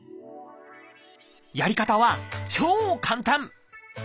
やり方は超簡単！